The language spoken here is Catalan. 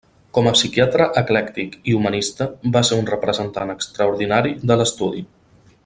Com a psiquiatre eclèctic i humanista va ser un representant extraordinari de l'estudi.